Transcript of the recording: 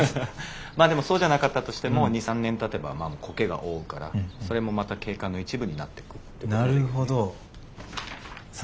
まあでもそうじゃなかったとしても２３年たてば苔が覆うからそれもまた景観の一部になっていくってことだよね。